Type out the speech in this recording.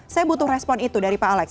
saya butuh respon itu dari pak alex